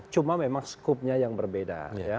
cuma memang skupnya yang berbeda